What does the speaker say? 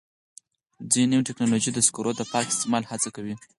ځینې نوې ټکنالوژۍ د سکرو د پاک استعمال هڅه کوي.